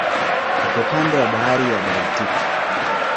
Iko kando ya Bahari ya Baltiki.